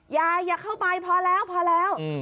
อย่าเข้าไปพอแล้ว